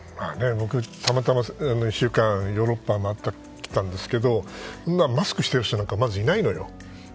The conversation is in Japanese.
僕、たまたま１週間ヨーロッパ回ってきたんですけどマスクしてる人なんかまずいないのよ。